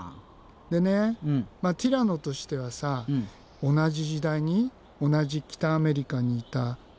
でねまあティラノとしてはさ同じ時代に同じ北アメリカにいたトリケラトプスって知ってる？